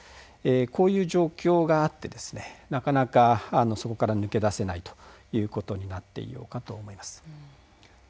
こういう状況があってなかなか、そこから抜け出せないということになっているかと思います。